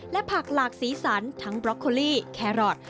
และผักหลากสีสันทั้งบล็อกโคลี่แครอท